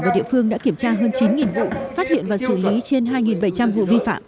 và địa phương đã kiểm tra hơn chín vụ phát hiện và xử lý trên hai bảy trăm linh vụ vi phạm